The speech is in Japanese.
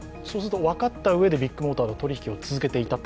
分かったうえでビッグモーターが取り引きを続けていたと。